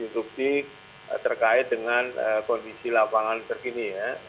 instruksi terkait dengan kondisi lapangan terkini ya